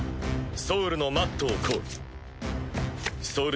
ソウルのマットをコール！